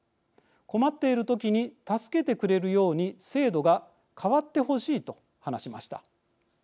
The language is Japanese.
困っている時に助けてくれるように制度が変わってほしい」と話しました。